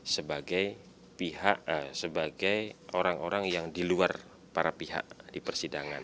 sebagai pihak sebagai orang orang yang di luar para pihak di persidangan